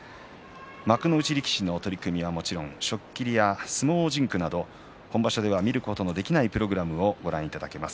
幕内力士の取組はもちろん初っ切りや相撲甚句など本場所では見ることのできないプログラムをご覧いただけます。